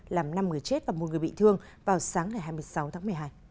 làm năm người chết và một người bị thương vào sáng ngày hai mươi sáu tháng một mươi hai